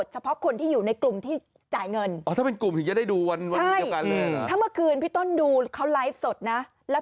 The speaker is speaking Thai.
เฉพาะคนที่อยู่ในกลุ่มที่จ่ายเงินจะได้ดูถ้าเมื่อคืนหนูเขาไลฟ์สดนะแล้ว